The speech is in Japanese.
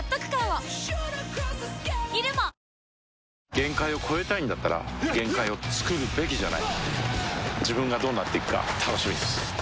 限界を越えたいんだったら限界をつくるべきじゃない自分がどうなっていくか楽しみです